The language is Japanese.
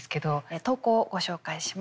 投稿をご紹介します。